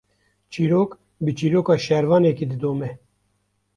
Çîrok, bi çîroka şervanekî didome